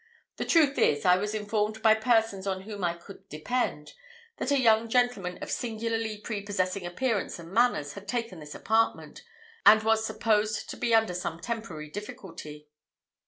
The truth is, I was informed by persons on whom I could depend, that a young gentleman of singularly prepossessing appearance and manners had taken this apartment, and was supposed to be under some temporary difficulty."